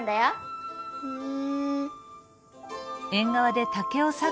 ふん。